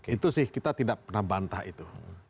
itu sih kita tidak pernah bantah itu